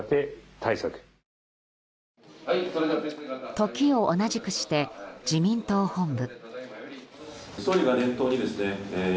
時を同じくして自民党本部。